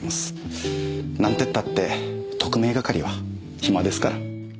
なんてったって特命係は暇ですから。